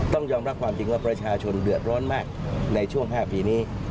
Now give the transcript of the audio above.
ต้องยอมรับความจริงว่าประชาชนเดือดร้อนมากในช่วง๕ปีนี้